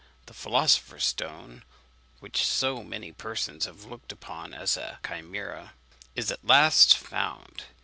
The philosopher's stone, which so many persons have looked upon as a chimera, is at last found.